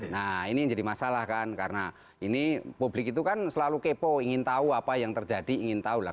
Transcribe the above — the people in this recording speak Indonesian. nah ini jadi masalah kan karena ini publik itu kan selalu kepo ingin tahu apa yang terjadi ingin tahu lah